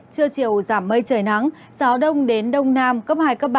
trưa chiều giảm mây trời nắng gió đông đến đông nam cấp hai cấp ba